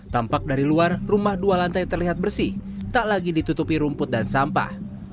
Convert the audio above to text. tampak dari luar rumah dua lantai terlihat bersih tak lagi ditutupi rumput dan sampah